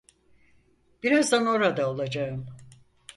Birazdan orada olacağım.